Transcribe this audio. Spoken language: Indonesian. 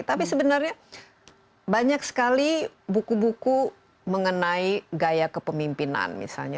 tapi sebenarnya banyak sekali buku buku mengenai gaya kepemimpinan misalnya